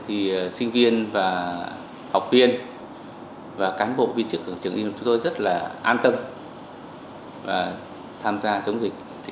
thì sinh viên và học viên và cán bộ viên trưởng trường y hà nội rất là an tâm và tham gia chống dịch